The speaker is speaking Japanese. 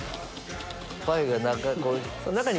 パイが中に。